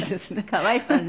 可愛いわね。